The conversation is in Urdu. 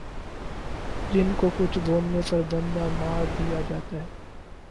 جن کو کچھ بولنے پر بندہ مار دیا جاتا ھے